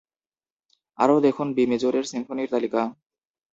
আরও দেখুন: বি মেজরের সিম্ফোনির তালিকা।